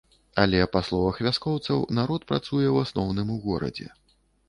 Але па словах вяскоўцаў, народ працуе ў асноўным у горадзе.